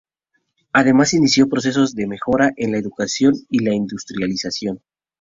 Además inició procesos de mejora en la educación y la industrialización.